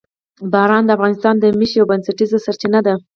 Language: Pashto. باران د افغانانو د معیشت یوه بنسټیزه سرچینه ده.